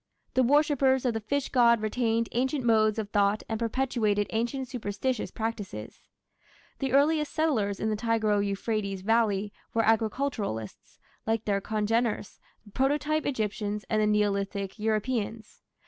The worshippers of the fish god retained ancient modes of thought and perpetuated ancient superstitious practices. The earliest settlers in the Tigro Euphrates valley were agriculturists, like their congeners, the proto Egyptians and the Neolithic Europeans.